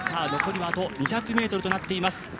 残りはあと２００ｍになっています。